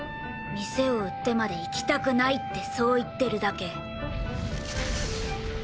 店を売ってまで行きたくないってそう言ってるだけ。